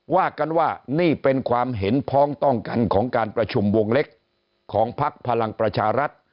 ว่ากันว่านี่เป็นความเห็นพ้องต้องกันของการประชุมวงเล็กของพักพลังประชารัฐ